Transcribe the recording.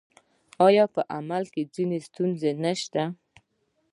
آیا په عمل کې ځینې ستونزې نشته؟